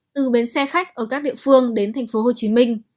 từ bến xe khách ở các địa phương đến thành phố hồ chí minh